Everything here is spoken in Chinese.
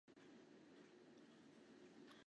原为清代琅峤卑南道的其中一段。